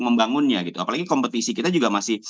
membangunnya gitu apalagi kompetisi kita juga masih